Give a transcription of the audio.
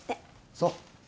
そう。